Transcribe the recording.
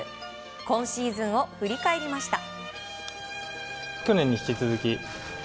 今シーズンを振り返りました。